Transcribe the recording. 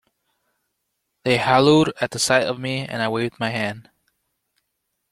They hallooed at the sight of me, and I waved my hand.